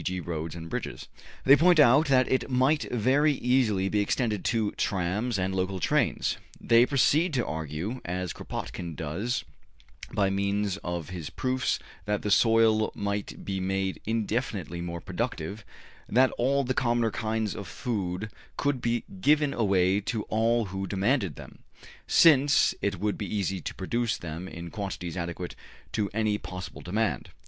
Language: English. g., roads and bridges. They point out that it might very easily be extended to trams and local trains. They proceed to argue as Kropotkin does by means of his proofs that the soil might be made indefinitely more productive that all the commoner kinds of food could be given away to all who demanded them, since it would be easy to produce them in quantities adequate to any possible demand.